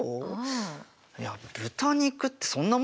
いや豚肉ってそんなもんじゃないの？